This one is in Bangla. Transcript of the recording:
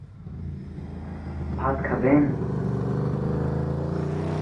ভাত খাবেন?